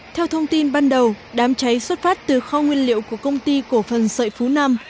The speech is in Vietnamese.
theo thông tin ban đầu đám cháy xuất phát từ kho nguyên liệu của công ty cổ phần sợi phú nam